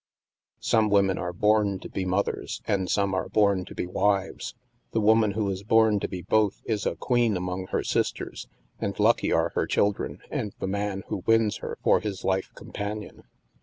Some women are bom to be mothers, and some are bom to be wives. The woman who is born to be both is a queen among her sisters, and lucky are her children and the man who wins her for his life companion.